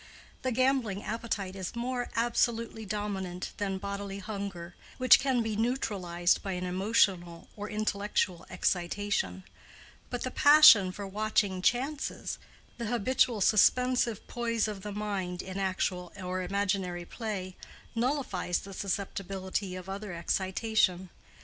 The gambling appetite is more absolutely dominant than bodily hunger, which can be neutralized by an emotional or intellectual excitation; but the passion for watching chances—the habitual suspensive poise of the mind in actual or imaginary play—nullifies the susceptibility of other excitation.